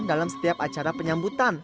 dalam setiap acara penyambutan